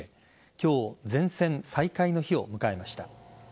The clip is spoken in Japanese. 今日、全線再開の日を迎えました。